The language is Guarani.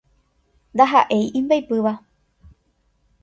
Ndahaʼéi imbaipýva.